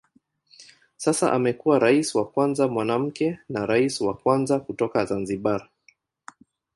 Sasa amekuwa rais wa kwanza mwanamke na rais wa kwanza kutoka Zanzibar.